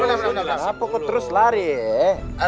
kenapa kok terus lari ya